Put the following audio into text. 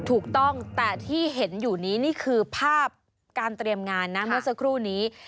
ถูกต้องแต่ที่เห็นอยู่นี้นี่คือภาพการเตรียมงานนะเมื่อสักครู่นี้